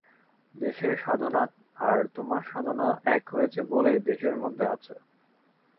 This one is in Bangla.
দেশের সাধনা আর তোমার সাধনা এক হয়েছে বলেই দেশ এর মধ্যে আছে।